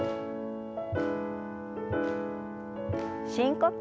深呼吸。